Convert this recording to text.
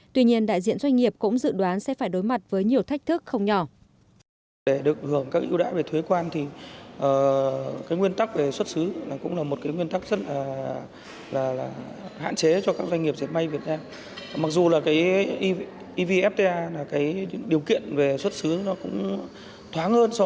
tuy nhiên đại diện doanh nghiệp cũng dự đoán sẽ phải đối mặt với nhiều thách thức không nhỏ